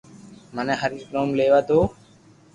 مني ھري رو نوم ليوا دو